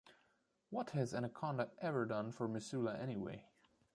What has Anaconda ever done for Missoula, anyway?